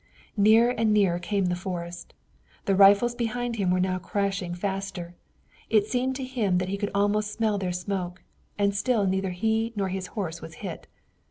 Nearer and nearer came the forest. The rifles behind him were now crashing faster. It seemed to him that he could almost smell their smoke, and still neither he nor his horse was hit.